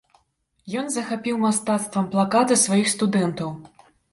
Ен захапіў мастацтвам плаката сваіх студэнтаў.